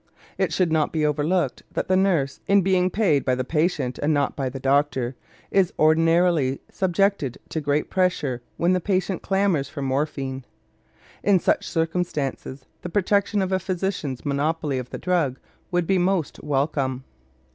It should not be overlooked that the nurse, in being paid by the patient and not by the doctor, is ordinarily subjected to great pressure when the patient clamors for morphine. In such circumstances the protection of a physician's monopoly of the drug would be most welcome.